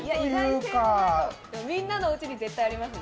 みんなのおうちにありますね。